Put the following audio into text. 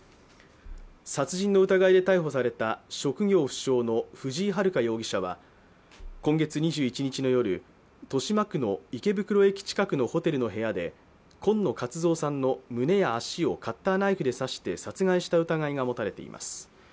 殺人の疑いで逮捕された職業不詳の藤井遥容疑者は今月２１日の夜、豊島区の池袋駅近くのホテルの部屋で今野勝蔵さんの胸や足をカッターナイフで刺して殺害した疑いが持たれています。